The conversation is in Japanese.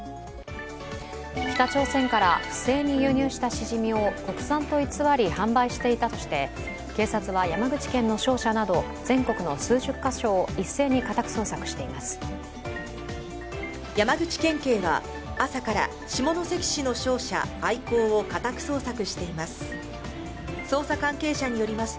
北朝鮮から不正に輸入したしじみを国産と偽り販売していたとして、警察は山口県の商社など、全国の数十か所を一斉に家宅捜索しています。